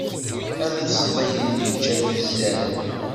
Am ṣdid yeččan uzzal.